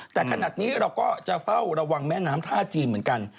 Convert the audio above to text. แต่ขนาดนี้เราก็จะเฝ้าระวังแม่น้ำท่าจีนเหมือนกัน